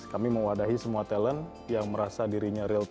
kami mewadahi semua talent yang merasa dirinya real time